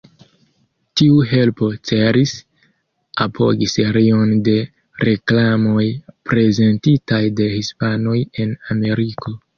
Tiu helpo celis apogi serion de reklamoj prezentitaj de hispanoj en Ameriko.